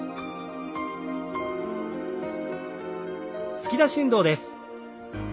突き出し運動です。